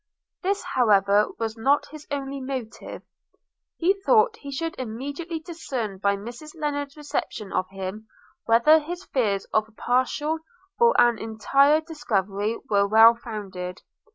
This however was not his only motive; he thought he should immediately discern by Mrs Lennard's reception of him, whether his fears of a partial or an entire discovery were well founded.